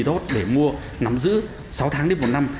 để mua nắm giữ sáu tháng đến một năm